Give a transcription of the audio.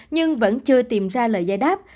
nhưng vẫn chưa tìm ra lời giải đáp